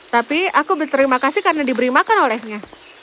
tapi aku berterima kasih karena diberi makan olehnya